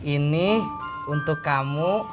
ini untuk kamu